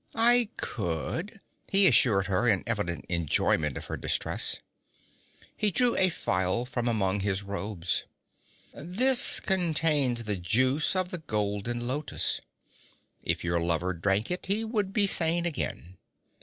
'I could,' he assured her, in evident enjoyment of her distress. He drew a phial from among his robes. 'This contains the juice of the golden lotus. If your lover drank it he would be sane again.